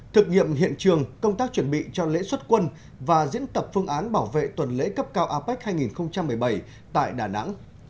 thực nghiệm hiện trường công tác chuẩn bị cho lễ xuất quân và diễn tập phương án bảo vệ tuần lễ cấp cao apec hai nghìn một mươi bảy tại đà nẵng